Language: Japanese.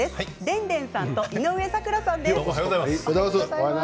でんでんさんと井上咲楽さんです。